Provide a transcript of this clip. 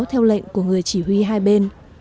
theo lệnh của người chỉ huy hai bên